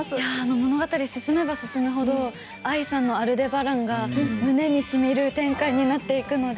物語が進めば進むほどＡＩさんの「アルデバラン」が胸にしみる展開になります。